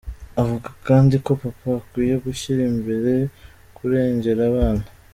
Avuga kandi ko Papa akwiye gushyira imbere kurengera abana.